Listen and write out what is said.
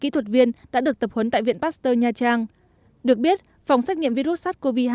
kỹ thuật viên đã được tập huấn tại viện pasteur nha trang được biết phòng xét nghiệm virus sars cov hai